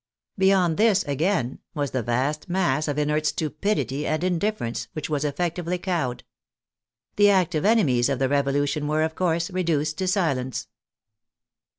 Beyond this, again, was the vast mass of inert stupidity and indifference which was effectively cowed. The active enemies of the Revolution were, of course, reduced to silence.